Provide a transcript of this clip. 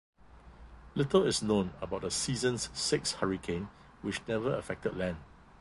Little is known about the season's sixth hurricane which never affected land.